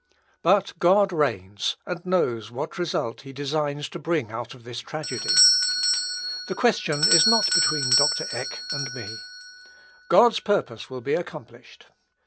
But God reigns, and knows what result he designs to bring out of this tragedy. The question is not between Dr. Eck and me. God's purpose will be accomplished.